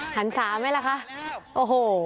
หันศาไหมล่ะคะโอ้โห